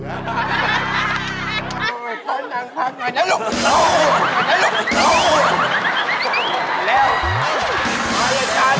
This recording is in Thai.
เฮ่ยค้ามาทำไมครับ